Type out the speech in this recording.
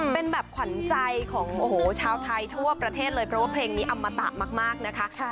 เป็นแบบขวัญใจของชาวไทยทั่วประเทศเลยเพราะว่าเพลงนี้อมตะมากนะคะ